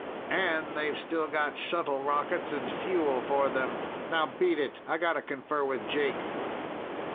And they've still got shuttle rockets and fuel for them. Now beat it. I gotta confer with Jake."